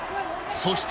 そして。